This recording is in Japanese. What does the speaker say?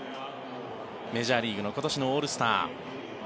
メジャーリーグの今年のオールスター。